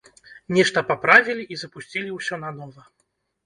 Нешта паправілі, і запусцілі ўсё нанова.